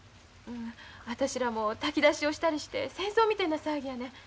私らも炊き出しをしたりして戦争みたいな騒ぎやねん。